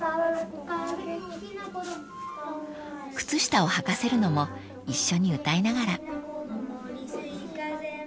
［靴下をはかせるのも一緒に歌いながら］